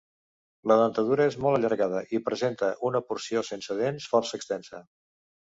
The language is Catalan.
La dentadura és molt allargada, i presenta una porció sense dents força extensa.